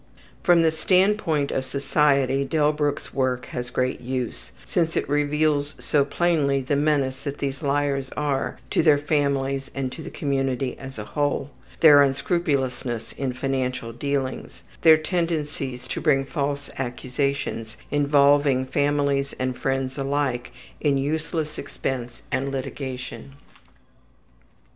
From the standpoint of society Delbruck's work has great use, since it reveals so plainly the menace that these liars are to their families and to the community as a whole, their unscrupulousness in financial dealings, their tendencies to bring false accusations involving families and friends alike in useless expense and litigation.